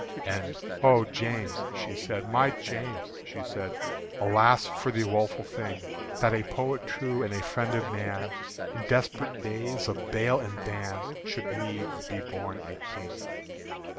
And "O James!" she said, "My James!" she said, "Alas for the woeful thing, That a poet true and a friend of man, In desperate days of bale and ban, Should needs be born a King!"